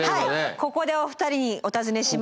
ここでお二人にお尋ねします。